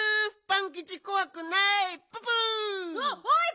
パンキチこわくない！